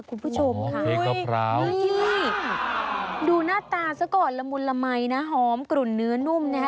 คุณผู้ชมค่ะนี่ที่นี่ดูหน้าตาซะก่อนละมุนละมัยนะหอมกลุ่นเนื้อนุ่มนะฮะ